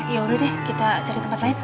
ya udah deh kita cari tempat lain